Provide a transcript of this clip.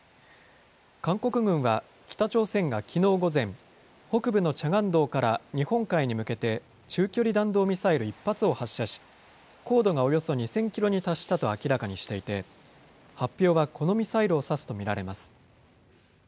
韓国軍は北朝鮮がきのう午前、北部のチャガン道から日本海に向けて中距離弾道ミサイル１発を発射し、高度がおよそ２０００キロに達したと明らかにしていて、発表はこのミサイルを指すと見られます。